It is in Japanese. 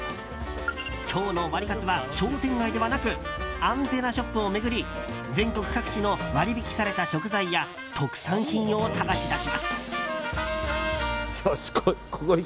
今日のワリカツは商店街ではなくアンテナショップを巡り全国各地の割引された食材や特産品を探し出します。